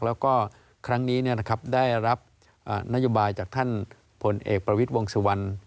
แล้วก็ครั้งนี้ได้รับนโยบายจากท่านผลเอกประวิทย์วงสุวรรณ